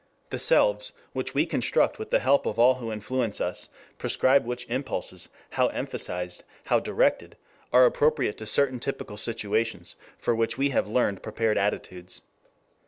The selves, which we construct with the help of all who influence us, prescribe which impulses, how emphasized, how directed, are appropriate to certain typical situations for which we have learned prepared attitudes.